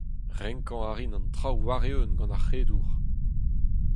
Renkañ a rin an traoù war-eeun gant ar c'hredour.